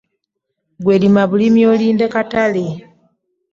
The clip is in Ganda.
Ggwe lima bulimi olinde katale.